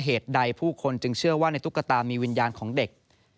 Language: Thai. เหตุใดผู้คนจึงเชื่อว่าในตุ๊กตามีวิญญาณของเด็ก